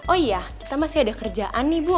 oh iya kita masih ada kerjaan nih bu